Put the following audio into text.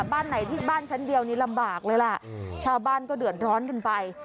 บ้านไหนที่บ้านชั้นเดียวนี้ลำบากเลยล่ะชาวบ้านก็เดือดร้อนกันไป